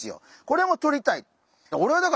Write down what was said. これをとりたい。